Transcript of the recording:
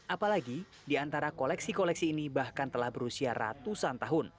apalagi di antara koleksi koleksi ini bahkan telah berusia ratusan tahun